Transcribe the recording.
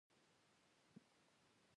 خطرناک ضررونه یې مسمومیت او د زړه ناروغي دي.